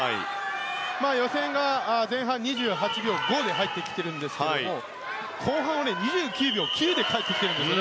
予選が前半、２８秒５で入ってますが後半を２９秒９で帰ってきているんです。